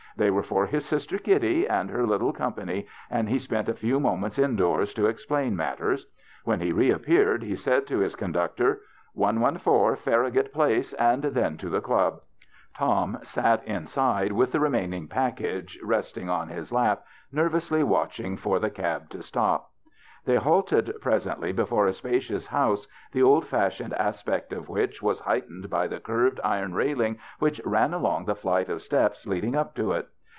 They were for his sister Kitty and her little company, and he spent a few moments indoors to ex plain matters. When he reappeared he said to his conductor, "114 Farragut Place, and then to the Club." Tom sat inside with the remaining package resting on his lap, nervously watching for the cab to stop. They halted presently before a spacious house, the old fashioned aspect of which was heightened by the curved iron railing which ran along the flight of steps leading up to it.